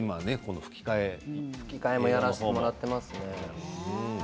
吹き替えもやらせてもらっていますね。